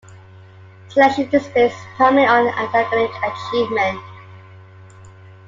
Selection is based primarily on academic achievement.